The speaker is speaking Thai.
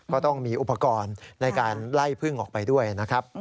ก็ต้องมีอุปกรณ์ในการไล่พึ่งออกไปด้วยนะครับ